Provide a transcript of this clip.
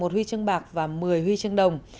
một huy chương bạc và một mươi huy chương đồng